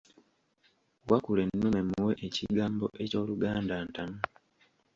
Wakulennume muwe ekigambo eky'Oluganda ntamu.